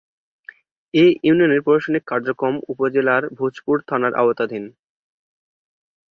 এ ইউনিয়নের প্রশাসনিক কার্যক্রম উপজেলার ভূজপুর থানার আওতাধীন।